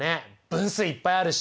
分数いっぱいあるし。